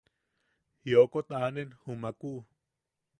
Jiokot anen jumakuʼu.